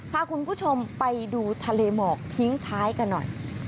พาคุณผู้ชมไปดูทะเลหมอกทิ้งท้ายกันหน่อย